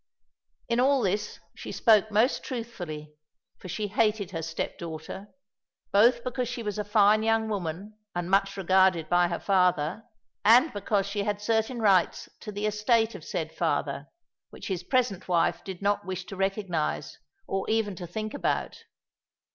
In all this she spoke most truthfully, for she hated her step daughter, both because she was a fine young woman and much regarded by her father, and because she had certain rights to the estate of said father, which his present wife did not wish to recognise, or even to think about.